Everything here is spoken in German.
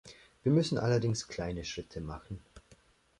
Wir müssen allerdings kleine Schritte machen.